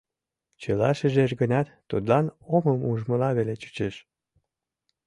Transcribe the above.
Чыла шижеш гынат, тудлан омым ужмыла веле чучеш.